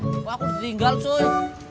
kok aku ditinggal coy